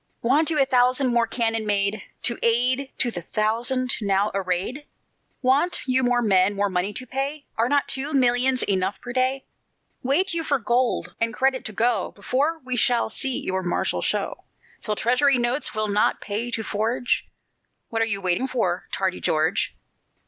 Want you a thousand more cannon made, To add to the thousand now arrayed? Want you more men, more money to pay? Are not two millions enough per day? Wait you for gold and credit to go, Before we shall see your martial show; Till Treasury Notes will not pay to forge? What are you waiting for, tardy George?